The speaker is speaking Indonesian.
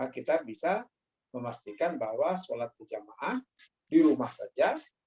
kita bisa memastikan bahwa sholat berjamaah di rumah saja